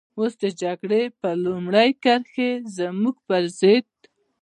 اوس د جګړې په لومړۍ کرښه کې زموږ پر ضد.